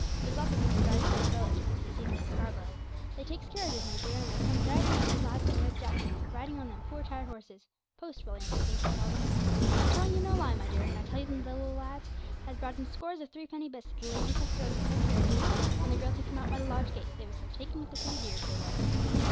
There's lots of people drives through our village when it's the season at Scarborough; they takes carriages, my dear, and they come driving out with lads in red jackets riding on them poor tired horses "post williams," I think they call them. I'm telling you no lie, my dear, when I tell you them little lads has brought in scores of threepenny bits that the ladies have thrown them from their carriages, when the girl took them out by the lodge gate; they was so taken with the pretty dears, they was.